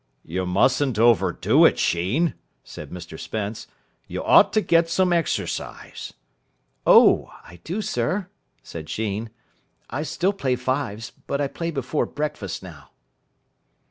"You mustn't overdo it, Sheen," said Mr Spence. "You ought to get some exercise." "Oh, I do, sir," said Sheen. "I still play fives, but I play before breakfast now."